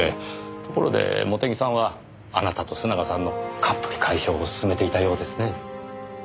ところで茂手木さんはあなたと須永さんのカップル解消を進めていたようですね。